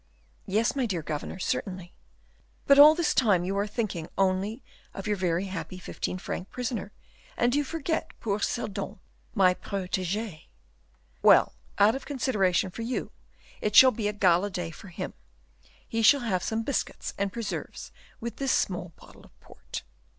"Yes, my dear governor, certainly; but all this time you are thinking only of your very happy fifteen franc prisoner, and you forget poor Seldon, my protege." "Well, out of consideration for you, it shall be a gala day for him; he shall have some biscuits and preserves with this small bottle of port."